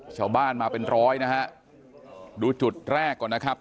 ชาวบ้านมาเป็นร้อยนะฮะดูจุดแรกก่อนนะครับ